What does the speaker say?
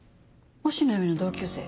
忍野絵美の同級生。